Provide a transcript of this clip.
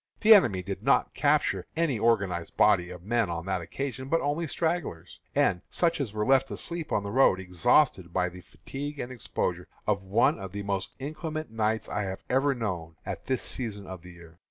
The enemy did not capture any organized body of men on that occasion, but only stragglers, and such as were left asleep on the road, exhausted by the fatigue and exposure of one of the most inclement nights I have ever known at this season of the year.